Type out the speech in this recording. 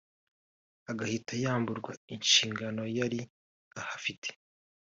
agahita yamburwa inshingano yari ahafite